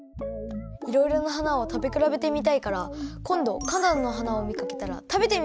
いろいろな花を食べくらべてみたいからこんど花だんの花をみかけたら食べてみます。